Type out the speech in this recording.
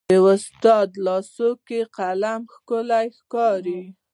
د استاد لاس کې قلم ښکلی ښکاري.